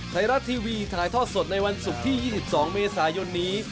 ไทยรัฐทีวีถ่ายทอดสดในวันศุกร์ที่๒๒เมษายนนี้